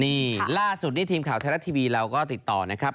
นี่ล่าสุดนี้ทีมข่าวไทยรัฐทีวีเราก็ติดต่อนะครับ